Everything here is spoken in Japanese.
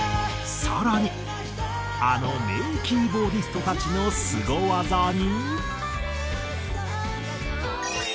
更にあの名キーボーディストたちのスゴ技に。